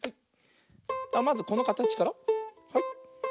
まずこのかたちから。